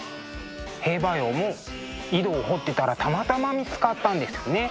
兵馬俑も井戸を掘ってたらたまたま見つかったんですね。